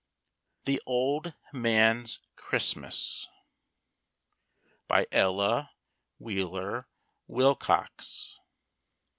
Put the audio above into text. THE OLD MAN'S CHRISTMAS. BY ELLA WHEELER WILCOX.